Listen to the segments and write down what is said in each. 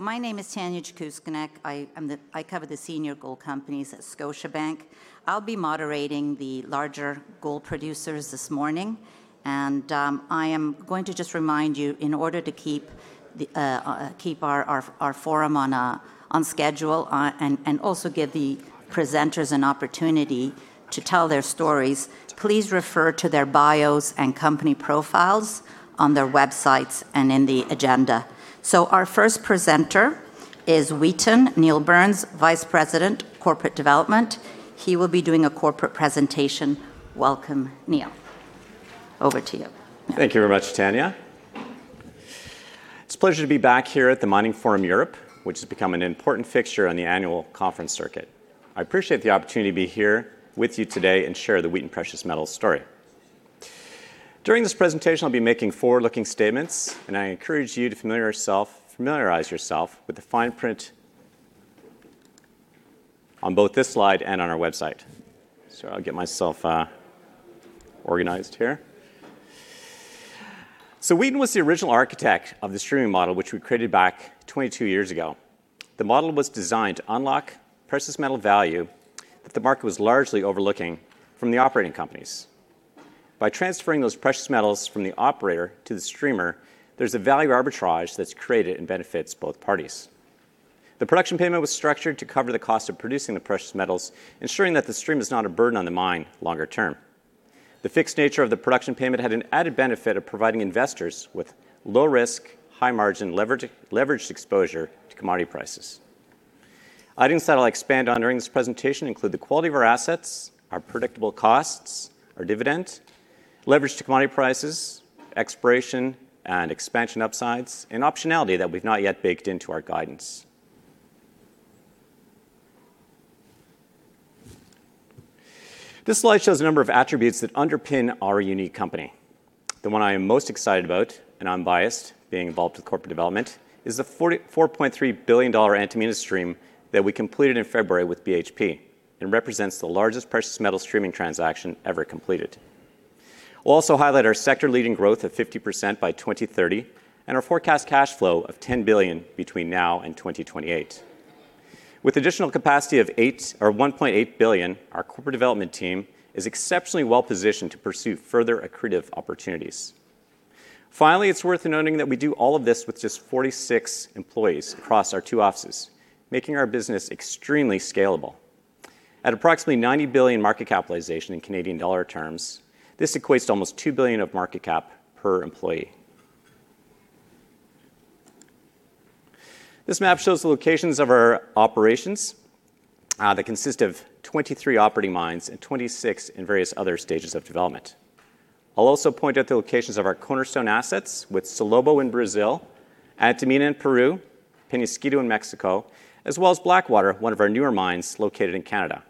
My name is Tanya Jakusconek. I cover the senior gold companies at Scotiabank. I'll be moderating the larger gold producers this morning. I am going to just remind you, in order to keep our forum on schedule and also give the presenters an opportunity to tell their stories, please refer to their bios and company profiles on their websites and in the agenda. Our first presenter is Wheaton, Neil Burns, Vice President, Corporate Development. He will be doing a corporate presentation. Welcome, Neil. Over to you. Thank you very much, Tanya. It's a pleasure to be back here at the Mining Forum Europe, which has become an important fixture on the annual conference circuit. I appreciate the opportunity to be here with you today and share the Wheaton Precious Metals story. During this presentation, I'll be making forward-looking statements, and I encourage you to familiarize yourself with the fine print on both this slide and on our website. I'll get myself organized here. Wheaton was the original architect of the streaming model, which we created back 22 years ago. The model was designed to unlock precious metal value that the market was largely overlooking from the operating companies. By transferring those precious metals from the operator to the streamer, there's a value arbitrage that's created and benefits both parties. The production payment was structured to cover the cost of producing the precious metals, ensuring that the stream is not a burden on the mine longer term. The fixed nature of the production payment had an added benefit of providing investors with low risk, high margin, leveraged exposure to commodity prices. Items that I'll expand on during this presentation include the quality of our assets, our predictable costs, our dividend, leverage to commodity prices, exploration and expansion upsides, and optionality that we've not yet baked into our guidance. This slide shows a number of attributes that underpin our unique company. The one I am most excited about, and unbiased, being involved with Corporate Development, is the $4.3 billion Antamina stream that we completed in February with BHP, and represents the largest precious metal streaming transaction ever completed. We'll also highlight our sector-leading growth of 50% by 2030 and our forecast cash flow of $10 billion between now and 2028. With additional capacity of $1.8 billion, our Corporate Development team is exceptionally well-positioned to pursue further accretive opportunities. Finally, it's worth noting that we do all of this with just 46 employees across our two offices, making our business extremely scalable. At approximately 90 billion market capitalization in Canadian dollar terms, this equates to almost 2 billion of market cap per employee. This map shows the locations of our operations that consist of 23 operating mines and 26 in various other stages of development. I'll also point out the locations of our cornerstone assets with Salobo in Brazil, Antamina in Peru, Peñasquito in Mexico, as well as Blackwater, one of our newer mines located in Canada.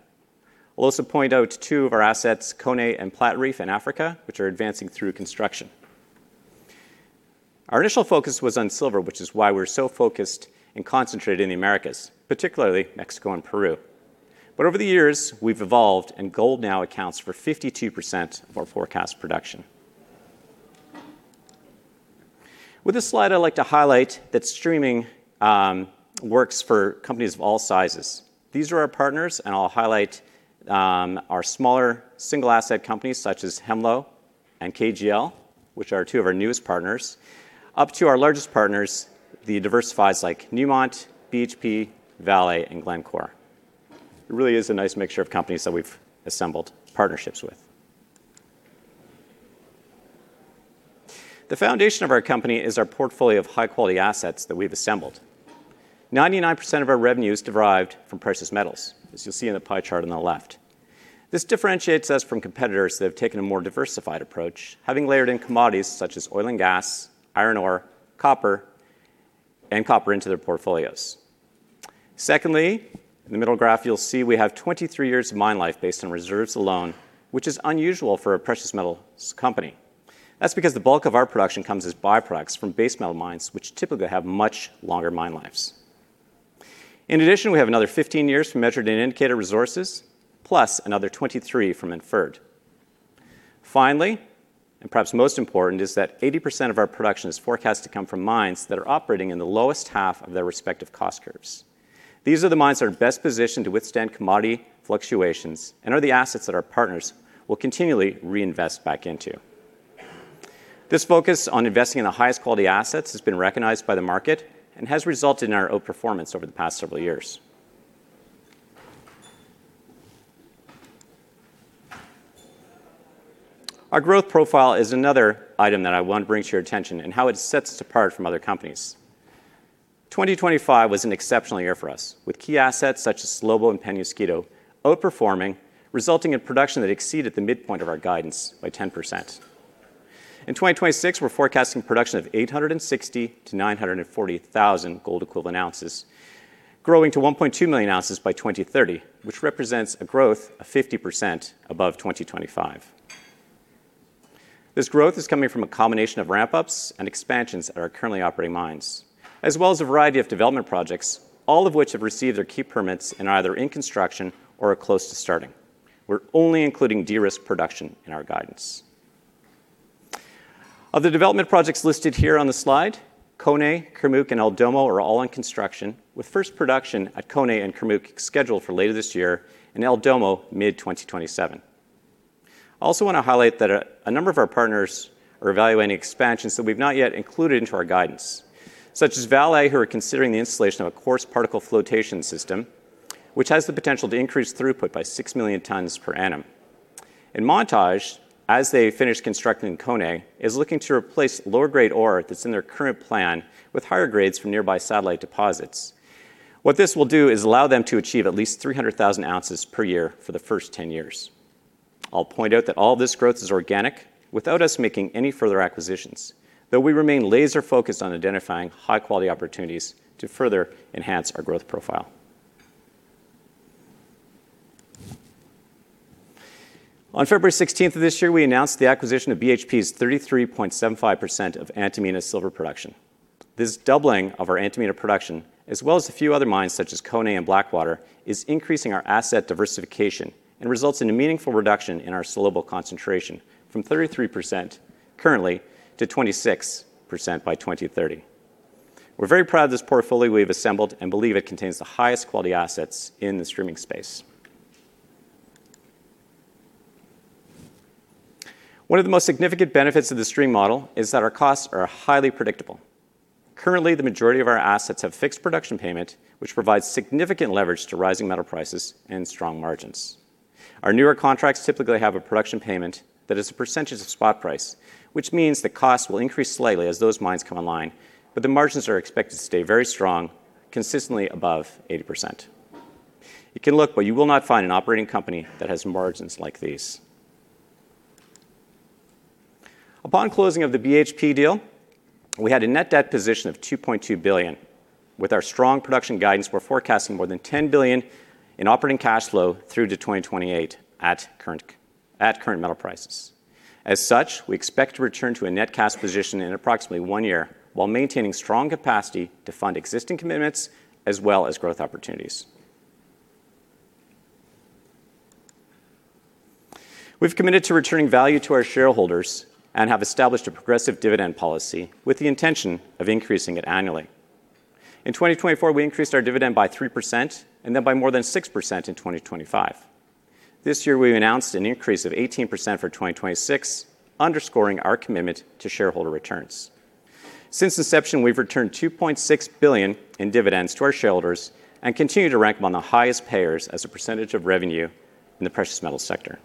I'll also point out two of our assets, Koné and Platreef in Africa, which are advancing through construction. Our initial focus was on silver, which is why we're so focused and concentrated in the Americas, particularly Mexico and Peru. Over the years, we've evolved, and gold now accounts for 52% of our forecast production. With this slide, I'd like to highlight that streaming works for companies of all sizes. These are our partners, and I'll highlight our smaller single-asset companies such as Hemlo and KGL, which are two of our newest partners, up to our largest partners, the diversifieds like Newmont, BHP, Vale, and Glencore. It really is a nice mixture of companies that we've assembled partnerships with. The foundation of our company is our portfolio of high-quality assets that we've assembled. 99% of our revenue is derived from precious metals, as you'll see in the pie chart on the left. This differentiates us from competitors that have taken a more diversified approach, having layered in commodities such as oil and gas, iron ore, and copper into their portfolios. Secondly, in the middle graph, you'll see we have 23 years of mine life based on reserves alone, which is unusual for a precious metals company. That's because the bulk of our production comes as byproducts from base metal mines, which typically have much longer mine lives. In addition, we have another 15 years from measured and indicated resources, plus another 23 from inferred. Finally, and perhaps most important, is that 80% of our production is forecast to come from mines that are operating in the lowest half of their respective cost curves. These are the mines that are best positioned to withstand commodity fluctuations and are the assets that our partners will continually reinvest back into. This focus on investing in the highest quality assets has been recognized by the market and has resulted in our outperformance over the past several years. Our growth profile is another item that I want to bring to your attention and how it sets us apart from other companies. 2025 was an exceptional year for us, with key assets such as Salobo and Peñasquito outperforming, resulting in production that exceeded the midpoint of our guidance by 10%. In 2026, we're forecasting production of 860,000-940,000 gold equivalent ounces, growing to 1.2 million oz by 2030, which represents a growth of 50% above 2025. This growth is coming from a combination of ramp-ups and expansions at our currently operating mines, as well as a variety of development projects, all of which have received their key permits and are either in construction or are close to starting. We're only including de-risked production in our guidance. Of the development projects listed here on the slide, Koné, Kurmuk, and El Domo are all in construction, with first production at Koné and Kurmuk scheduled for later this year, and El Domo mid-2027. I also want to highlight that a number of our partners are evaluating expansions that we've not yet included into our guidance, such as Vale, who are considering the installation of a coarse particle flotation system, which has the potential to increase throughput by 6 million tons per annum. Montage, as they finish constructing Koné, is looking to replace lower grade ore that's in their current plan with higher grades from nearby satellite deposits. What this will do is allow them to achieve at least 300,000 oz per year for the first 10 years. I'll point out that all this growth is organic without us making any further acquisitions, though we remain laser-focused on identifying high-quality opportunities to further enhance our growth profile. On February 16th of this year, we announced the acquisition of BHP's 33.75% of Antamina silver production. This doubling of our Antamina production, as well as a few other mines such as Koné and Blackwater, is increasing our asset diversification and results in a meaningful reduction in our Salobo concentration from 33% currently to 26% by 2030. We're very proud of this portfolio we've assembled and believe it contains the highest quality assets in the streaming space. One of the most significant benefits of the stream model is that our costs are highly predictable. Currently, the majority of our assets have fixed production payment, which provides significant leverage to rising metal prices and strong margins. Our newer contracts typically have a production payment that is a percentage of spot price, which means the cost will increase slightly as those mines come online, but the margins are expected to stay very strong, consistently above 80%. You can look, but you will not find an operating company that has margins like these. Upon closing of the BHP deal, we had a net debt position of $2.2 billion. With our strong production guidance, we're forecasting more than $10 billion in operating cash flow through to 2028 at current metal prices. As such, we expect to return to a net cash position in approximately one year, while maintaining strong capacity to fund existing commitments as well as growth opportunities. We've committed to returning value to our shareholders and have established a progressive dividend policy with the intention of increasing it annually. In 2024, we increased our dividend by 3%, and then by more than 6% in 2025. This year, we announced an increase of 18% for 2026, underscoring our commitment to shareholder returns. Since inception, we've returned $2.6 billion in dividends to our shareholders and continue to rank among the highest payers as a percentage of revenue in the precious metal sector.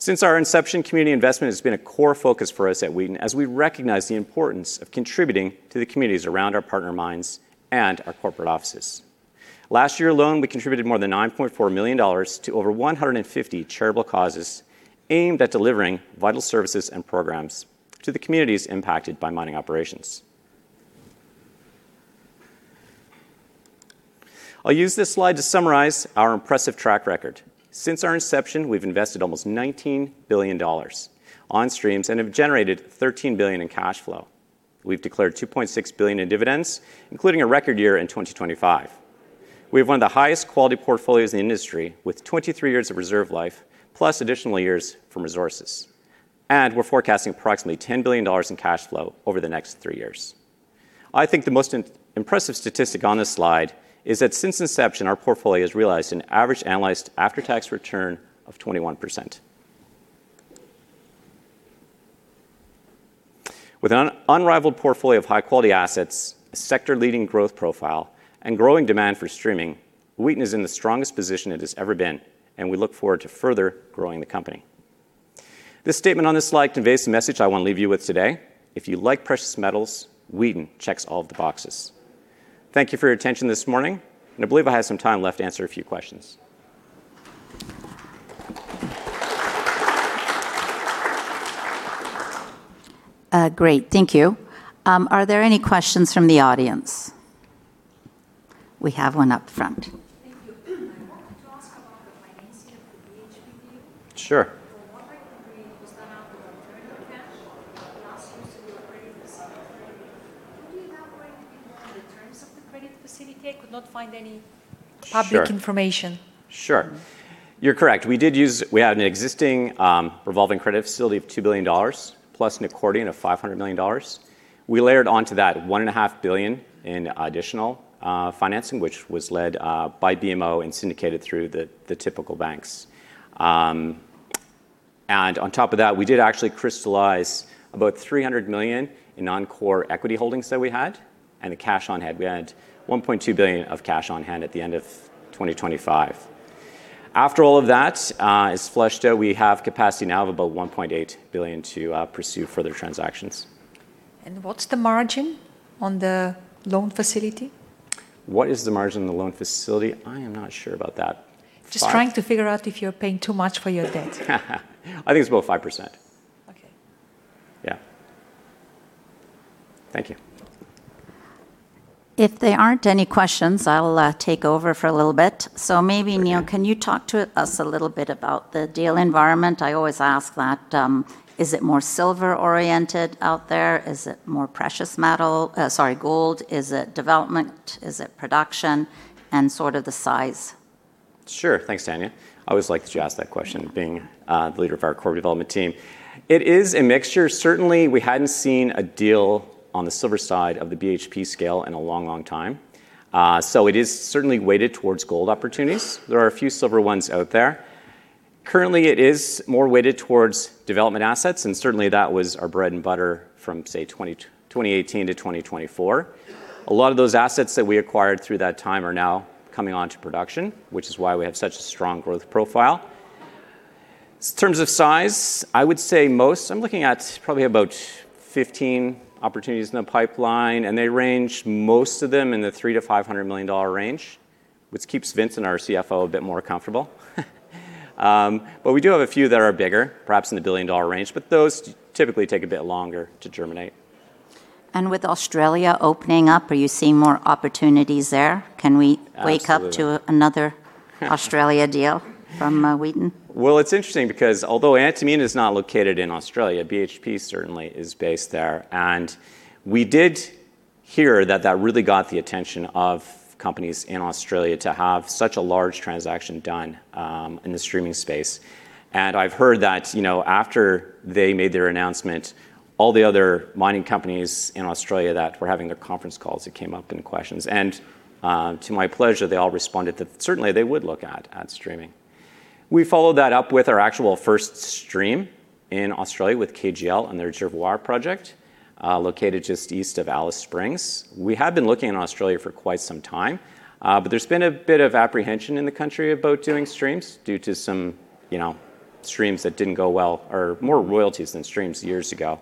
Since our inception, community investment has been a core focus for us at Wheaton, as we recognize the importance of contributing to the communities around our partner mines and our corporate offices. Last year alone, we contributed more than $9.4 million to over 150 charitable causes aimed at delivering vital services and programs to the communities impacted by mining operations. I'll use this slide to summarize our impressive track record. Since our inception, we've invested almost $19 billion on streams and have generated $13 billion in cash flow. We've declared $2.6 billion in dividends, including a record year in 2025. We have one of the highest quality portfolios in the industry, with 23 years of reserve life plus additional years from resources, and we're forecasting approximately $10 billion in cash flow over the next three years. I think the most impressive statistic on this slide is that since inception, our portfolio has realized an average annualized after-tax return of 21%. With an unrivaled portfolio of high-quality assets, a sector-leading growth profile, and growing demand for streaming, Wheaton is in the strongest position it has ever been, and we look forward to further growing the company. This statement on this slide conveys the message I want to leave you with today. If you like precious metals, Wheaton checks all of the boxes. Thank you for your attention this morning, and I believe I have some time left to answer a few questions. Great. Thank you. Are there any questions from the audience? We have one up front. Thank you. I wanted to ask about the financing of the BHP deal. Sure. The operating agreement was done out of the available cash plus using a credit facility. Can you elaborate a bit more on the terms of the credit facility? I could not find any public information. Sure. You're correct. We had an existing revolving credit facility of $2 billion, plus an accordion of $500 million. We layered onto that $1.5 billion in additional financing, which was led by BMO and syndicated through the typical banks. On top of that, we did actually crystallize about $300 million in non-core equity holdings that we had and the cash on hand. We had $1.2 billion of cash on hand at the end of 2025. After all of that is flushed out, we have capacity now of about $1.8 billion to pursue further transactions. What's the margin on the loan facility? What is the margin on the loan facility? I am not sure about that. Just trying to figure out if you're paying too much for your debt. I think it's about 5%. Okay. Yeah. Thank you. If there aren't any questions, I'll take over for a little bit. Maybe, Neil, can you talk to us a little bit about the deal environment? I always ask that. Is it more silver-oriented out there? Is it more precious metal, sorry, gold? Is it development? Is it production and sort of the size? Sure. Thanks, Tanya. I always like that you ask that question, being the leader of our Corporate Development team. It is a mixture. Certainly, we hadn't seen a deal on the silver side of the BHP scale in a long, long time. It is certainly weighted towards gold opportunities. There are a few silver ones out there. Currently, it is more weighted towards development assets, and certainly that was our bread and butter from, say, 2018-2024. A lot of those assets that we acquired through that time are now coming on to production, which is why we have such a strong growth profile. In terms of size, I'm looking at probably about 15 opportunities in the pipeline, and they range, most of them in the $300 million-$500 million range, which keeps Vince, our CFO, a bit more comfortable. We do have a few that are bigger, perhaps in the billion-dollar range, but those typically take a bit longer to germinate. With Australia opening up, are you seeing more opportunities there? Absolutely Wake up to another Australia deal from Wheaton? Well, it's interesting because although Antamina is not located in Australia, BHP certainly is based there. We did hear that that really got the attention of companies in Australia to have such a large transaction done in the streaming space. I've heard that, after they made their announcement, all the other mining companies in Australia that were having their conference calls, it came up in questions. To my pleasure, they all responded that certainly they would look at streaming. We followed that up with our actual first stream in Australia with KGL and their Jervois project, located just east of Alice Springs. We had been looking in Australia for quite some time, but there's been a bit of apprehension in the country about doing streams due to some streams that didn't go well or more royalties than streams years ago.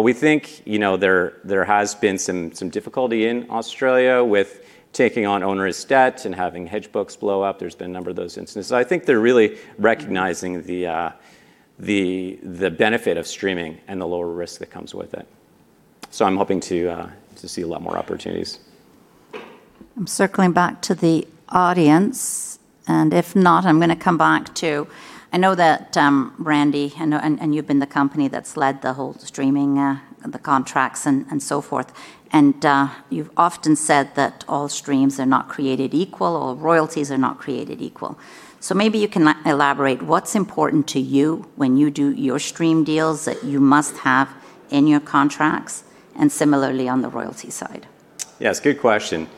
We think there has been some difficulty in Australia with taking on onerous debt and having hedge books blow up. There's been a number of those instances. I think they're really recognizing the benefit of streaming and the lower risk that comes with it. I'm hoping to see a lot more opportunities. I'm circling back to the audience. If not, I'm going to come back to. I know that, Randy. You've been the company that's led the whole streaming, the contracts, and so forth, and you've often said that all streams are not created equal or royalties are not created equal. Maybe you can elaborate what's important to you when you do your stream deals that you must have in your contracts, and similarly on the royalty side? Yes, good question.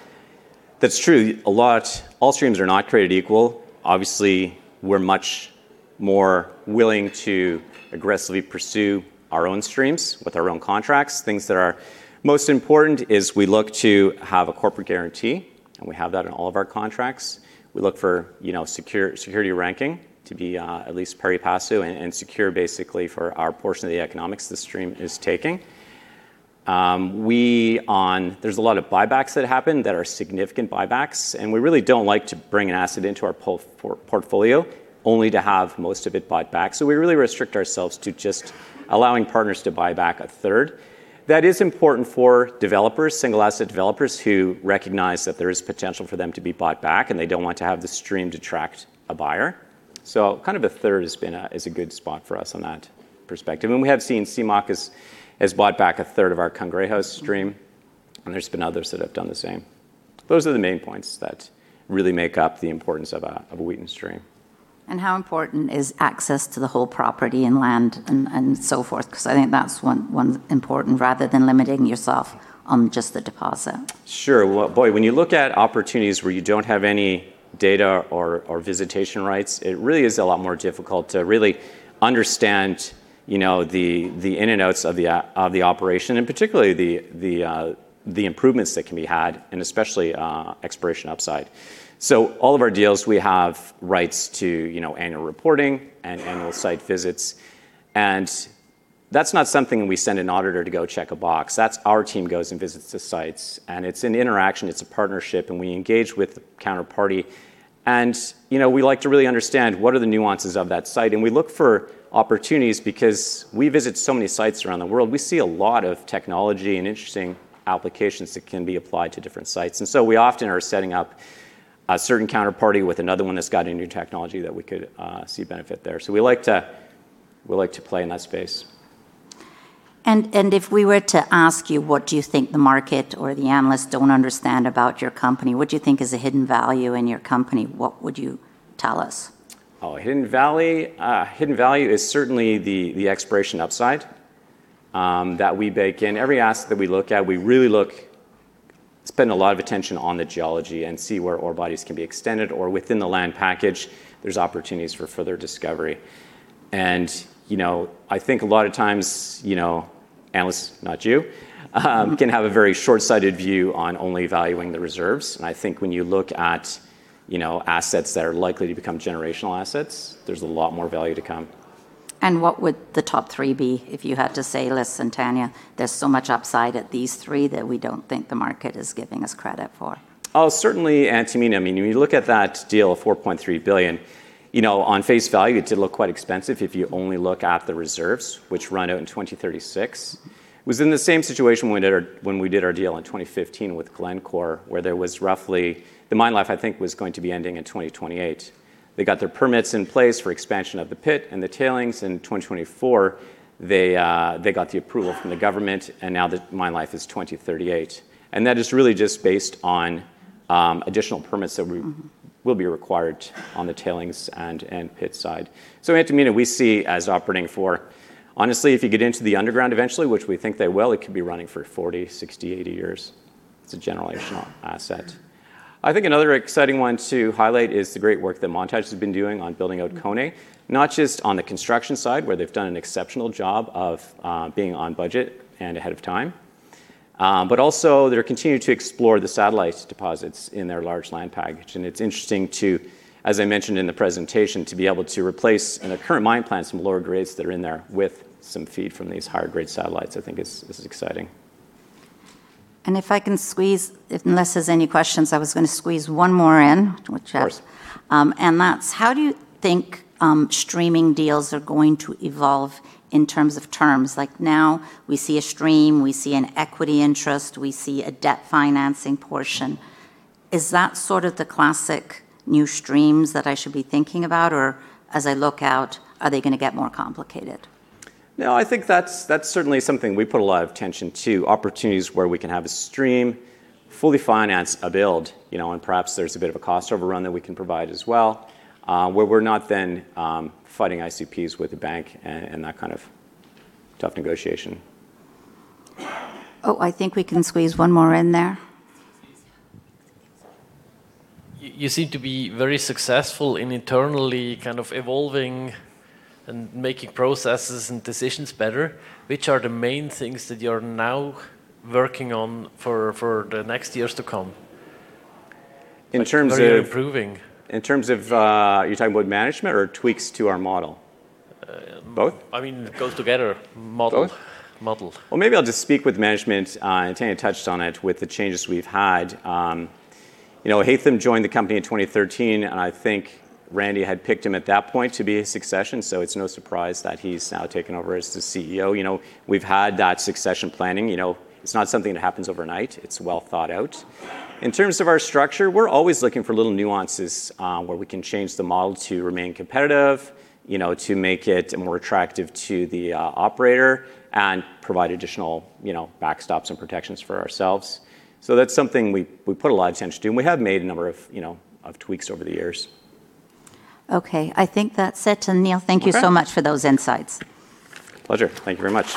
That's true. All streams are not created equal. Obviously, we're much more willing to aggressively pursue our own streams with our own contracts. Things that are most important is we look to have a corporate guarantee, and we have that in all of our contracts. We look for security ranking to be at least pari passu and secure basically for our portion of the economics the stream is taking. There's a lot of buybacks that happen that are significant buybacks, and we really don't like to bring an asset into our portfolio only to have most of it bought back. We really restrict ourselves to just allowing partners to buy back a third. That is important for developers, single asset developers, who recognize that there is potential for them to be bought back and they don't want to have the stream detract a buyer. Kind of 1/3 is a good spot for us on that perspective. We have seen CMOC has bought back 1/3 of our Cangrejos stream, and there's been others that have done the same. Those are the main points that really make up the importance of a Wheaton stream. How important is access to the whole property and land and so forth, because I think that's one important rather than limiting yourself on just the deposit? Sure. Well, boy, when you look at opportunities where you don't have any data or visitation rights, it really is a lot more difficult to really understand the ins and outs of the operation, and particularly the improvements that can be had, and especially exploration upside. All of our deals, we have rights to annual reporting and annual site visits. That's not something we send an auditor to go check a box. Our team goes and visits the sites, and it's an interaction, it's a partnership, and we engage with the counterparty. We like to really understand what are the nuances of that site. We look for opportunities because we visit so many sites around the world. We see a lot of technology and interesting applications that can be applied to different sites. We often are setting up a certain counterparty with another one that's got a new technology that we could see benefit there. We like to play in that space. If we were to ask you what do you think the market or the analysts don't understand about your company, what do you think is a hidden value in your company? What would you tell us? Oh, hidden value is certainly the exploration upside that we bake in every asset that we look at. We really spend a lot of attention on the geology and see where ore bodies can be extended or within the land package, there's opportunities for further discovery. I think a lot of times, analysts, not you, can have a very short-sighted view on only valuing the reserves. I think when you look at assets that are likely to become generational assets, there's a lot more value to come. What would the top three be if you had to say, "Listen, Tanya, there's so much upside at these three that we don't think the market is giving us credit for"? Oh, certainly Antamina. When you look at that deal, $4.3 billion, on face value, it did look quite expensive if you only look at the reserves, which run out in 2036. It was in the same situation when we did our deal in 2015 with Glencore, where the mine life, I think, was going to be ending in 2028. They got their permits in place for expansion of the pit and the tailings. In 2024, they got the approval from the government, and now the mine life is 2038. That is really just based on additional permits that will be required on the tailings and pit side. Antamina, we see as operating for, honestly, if you get into the underground eventually, which we think they will, it could be running for 40, 60, 80 years. It's a generational asset. I think another exciting one to highlight is the great work that Montage has been doing on building out Koné, not just on the construction side, where they've done an exceptional job of being on budget and ahead of time, but also they're continuing to explore the satellite deposits in their large land package. It's interesting, as I mentioned in the presentation, to be able to replace, in the current mine plans, some lower grades that are in there with some feed from these higher grade satellites, I think is exciting. If I can squeeze, unless there's any questions, I was going to squeeze one more in. Of course. How do you think streaming deals are going to evolve in terms of terms? Like now we see a stream, we see an equity interest, we see a debt financing portion. Is that sort of the classic new streams that I should be thinking about? As I look out, are they going to get more complicated? No, I think that's certainly something we put a lot of attention to, opportunities where we can have a stream, fully finance a build, and perhaps there's a bit of a cost overrun that we can provide as well, where we're not then fighting ICPs with the bank and that kind of tough negotiation. Oh, I think we can squeeze one more in there. You seem to be very successful in internally kind of evolving and making processes and decisions better. Which are the main things that you're now working on for the next years to come? In terms of. How are you improving? In terms of, you're talking about management or tweaks to our model? Both? It goes together, model. Both. Model. Well, maybe I'll just speak with management. Tanya touched on it with the changes we've had. Haytham joined the company in 2013. I think Randy had picked him at that point to be his succession. It's no surprise that he's now taken over as the CEO. We've had that succession planning. It's not something that happens overnight. It's well thought out. In terms of our structure, we're always looking for little nuances where we can change the model to remain competitive, to make it more attractive to the operator and provide additional backstops and protections for ourselves. That's something we put a lot of attention to, and we have made a number of tweaks over the years. Okay. I think that's it. Neil, thank you so much for those insights. Pleasure. Thank you very much.